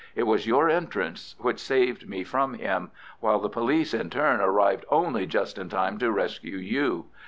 It was your entrance which saved me from him, while the police in turn arrived only just in time to rescue you.